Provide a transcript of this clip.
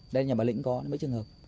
đây nhà bà lĩnh có mấy trường hợp